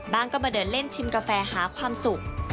ก็มาเดินเล่นชิมกาแฟหาความสุข